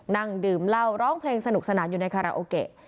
นั่งดื่มเหล้าร้องเพลงสนุกสนานอยู่ในคาราโอเกะ